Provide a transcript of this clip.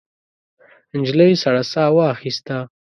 نجلۍ سړه ساه واخیسته.